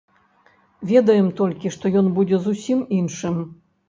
Ведаем толькі, што ён будзе зусім іншым.